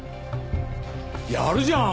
やるじゃん！